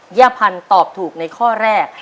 ย่าพันธุ์ตอบถูกในข้อแรก